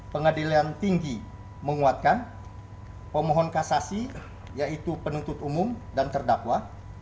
pengadilan tinggi menguatkan pemohon kasasi yaitu penuntut umum dan terdakwa